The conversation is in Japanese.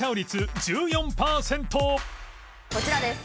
こちらです。